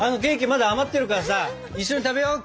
まだ余ってるからさ一緒に食べよう。